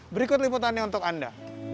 berikut liputannya untuk anda